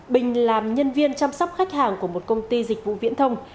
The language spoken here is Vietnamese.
bình làm nhân viên chăm sóc khách hàng của một công ty dịch vụ viễn thông